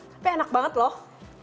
tapi enak banget loh